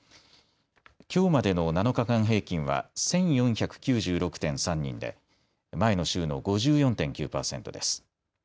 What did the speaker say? きょうまでの７日間平均は１４９６．３人で前の週の５４．９％です。